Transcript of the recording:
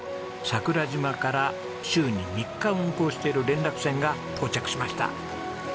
桜島から週に３日運航してる連絡船が到着しました。